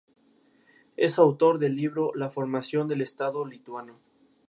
Estos casos son muy raros y pueden ser clasificados como síndrome de Klippel-Trenaunay atípico.